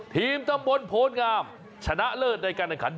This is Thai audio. ทีมตำบลโพลงามชนะเลิศในการแข่งขัน